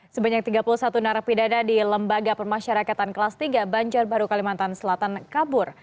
sebanyak tiga puluh satu narapidana di lembaga pemasyarakatan kelas tiga banjarbaru kalimantan selatan kabur